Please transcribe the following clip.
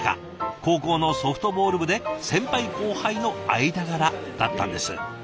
高校のソフトボール部で先輩後輩の間柄だったんです。